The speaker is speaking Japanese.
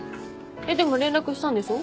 でも連絡したんでしょ？